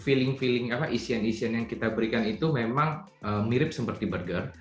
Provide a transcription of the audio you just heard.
feeling feeling apa isian isian yang kita berikan itu memang mirip seperti burger